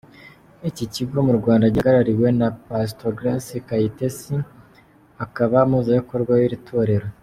Iki kigo mu Rwanda gihagarariwe na Pastor Grace Kaitesi, akaba umuhuzabikorwa w’iri torero.